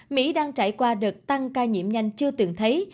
mỹ đang trải qua đợt tăng ca nhiễm nhanh chưa từng thấy